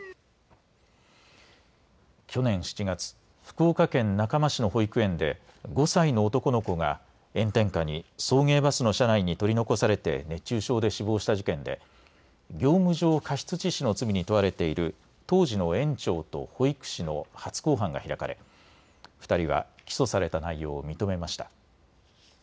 去年７月、福岡県中間市の保育園で５歳の男の子が炎天下に送迎バスの車内に取り残されて熱中症で死亡した事件で業務上過失致死の罪に問われている当時の園長と保育士の初公判が開かれ、２人は起訴された内容を認めました。